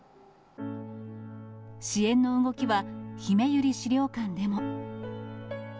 支援の動きはひめゆり資料館でも。